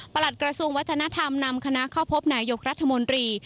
กระทรวงวัฒนธรรมนำคณะเข้าพบนายกรัฐมนตรี